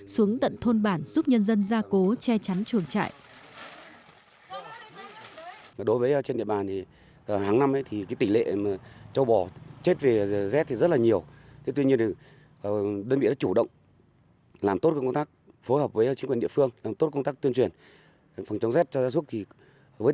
xuống tận thôn bản giúp nhân dân ra cố che chắn chuồng trại